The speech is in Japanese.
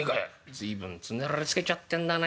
随分つねられつけちゃってんだね。